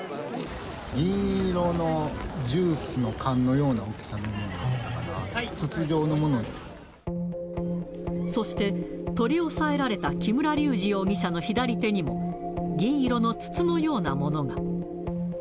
銀色のジュースの缶のようなそして、取り押さえられた木村隆二容疑者の左手にも、銀色の筒のようなものが。